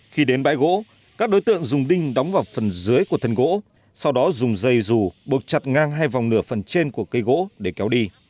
khi đến bãi gỗ các đối tượng dùng đinh đóng vào phần dưới của thân gỗ sau đó dùng dây rù buộc chặt ngang hai vòng nửa phần trên của cây gỗ để kéo đi